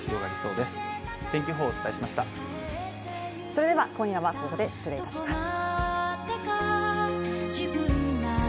それでは今夜はここで失礼いたします。